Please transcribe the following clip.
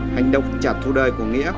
hành động trả thu đời của nghĩa